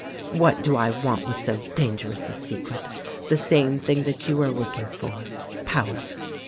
What do I want with so dangerous a secret? The same thing that you are working for: Power.